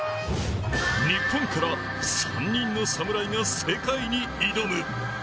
日本から３人の侍が世界に挑む。